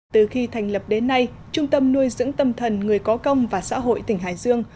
từ khi thành lập đến nay trung tâm nuôi dưỡng tâm thần người có công và xã hội tỉnh hải dương